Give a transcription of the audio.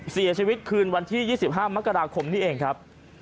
เสียชีวิตคืนวันที่๒๕มกราคมนี้เองครับ